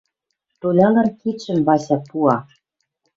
Толялан кидшӹм Вася пуа